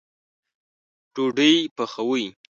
ډوډۍ پخوئ